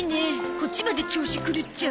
こっちまで調子狂っちゃう。